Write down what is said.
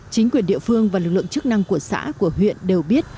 chính quyền địa phương và lực lượng chức năng của xã của huyện đều biết